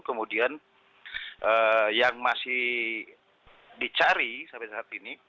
kemudian yang masih dicari sampai saat ini